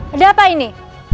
ada apa ini